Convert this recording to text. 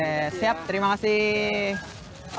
oke siap terima kasih